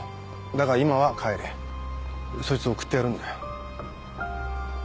だが今は帰れそいつを送ってやるんだよ。